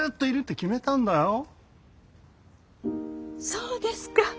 そうですか！